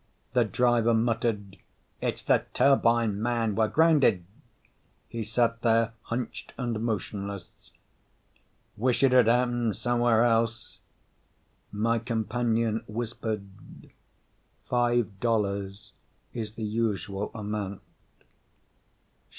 The driver muttered, "It's the turbine, man. We're grounded." He sat there hunched and motionless. "Wish it had happened somewhere else." My companion whispered, "Five dollars is the usual amount."